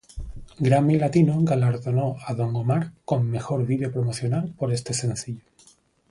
Grammy Latino galardonó a Don Omar con "Mejor Video Promocional" por este sencillo.